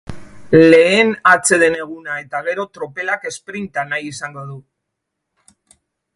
Lehen atseden eguna eta gero tropelak esprinta nahi izango du.